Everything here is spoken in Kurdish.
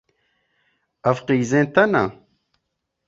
Ev qîzên te ne?